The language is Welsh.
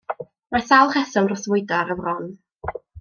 Mae sawl rheswm dros fwydo ar y fron.